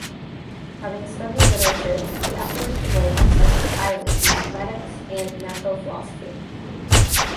Having studied literature, he afterwards devoted himself entirely to mathematics and natural philosophy.